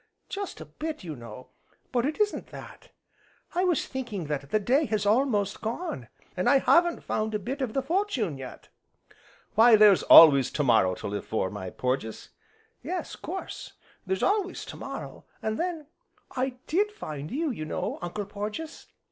"Just a bit, you know, but it isn't that. I was thinking that the day has almost gone, an' I haven't found a bit of the fortune yet." "Why there's always to morrow to live for, my Porges." "Yes, 'course there's always to morrow; an' then, I did find you, you know, Uncle Porges."